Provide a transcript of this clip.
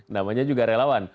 namanya juga relawan